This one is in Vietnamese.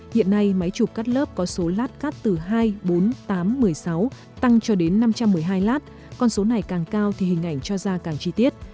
hiện nay máy chụp cắt lớp có số lát cắt từ hai bốn tám một mươi sáu tăng cho đến năm trăm một mươi hai lát con số này càng cao thì hình ảnh cho ra càng chi tiết